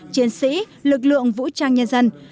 chiến sĩ lực lượng vũ trang nhân dân